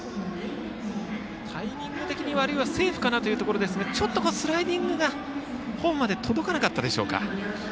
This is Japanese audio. タイミング的にはセーフかなというところですがちょっとスライディングがホームまで届かなかったでしょうか。